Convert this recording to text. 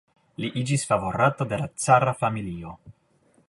Li iĝis favorato de la cara familio.